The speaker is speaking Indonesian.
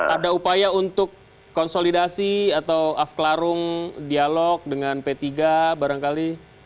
ada upaya untuk konsolidasi atau afklarung dialog dengan p tiga barangkali